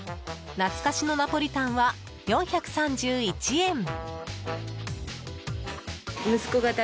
懐かしのナポリタンは４３１円。